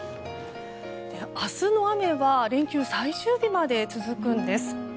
明日の雨は連休最終日まで続くんです。